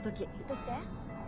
どうして？